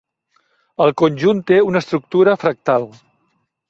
El conjunt té una estructura fractal.